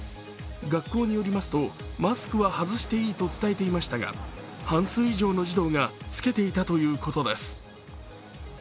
学校によりますとマスクは外していいと伝えていましたが半数以上の児童が着けていたということです。